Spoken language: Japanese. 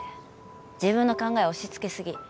自分の考えを押しつけすぎ。